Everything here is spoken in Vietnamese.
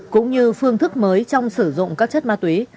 cũng như phương thức mới trong sử dụng các chất ma túy